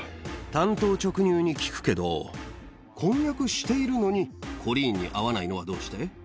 単刀直入に聞くけど、婚約しているのに、コリーンに会わないのはどうして？